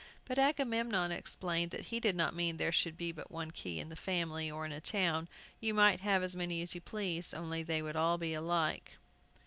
But Agamemnon explained that he did not mean there should be but one key in the family, or in a town, you might have as many as you pleased, only they should all be alike.